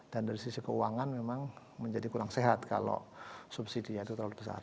dan dari sisi keuangan memang menjadi kurang sehat kalau subsidi itu terlalu besar